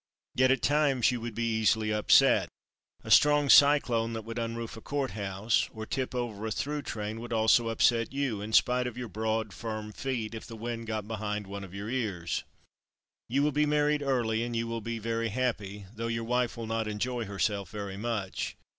Yet, at times, you would be easily upset. A strong cyclone that would unroof a court house or tip over a through train would also upset you, in spite of your broad, firm feet if the wind got behind one of your ears. "You will be married early, and you will be very happy, though your wife will not enjoy herself very much.